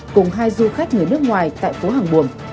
cùng hai du khách người nước ngoài tại phố hàng buồm